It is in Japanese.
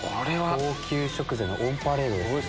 高級食材のオンパレードです。